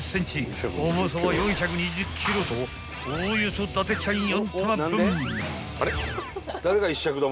［重さは４２０ｋｇとおおよそ伊達ちゃん４玉分］